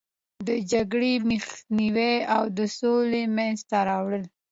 د جګړې مخنیوی او د سولې منځته راوړل.